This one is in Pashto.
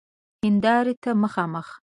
هیندارې ته مخامخ